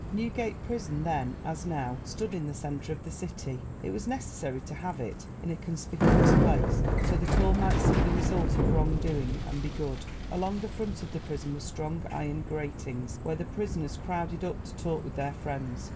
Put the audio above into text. Newgate Prison then, as now, stood in the center of the city. It was necessary to have it in a conspicuous place so that all might see the result of wrongdoing and be good. Along the front of the prison were strong iron gratings, where the prisoners crowded up to talk with their friends.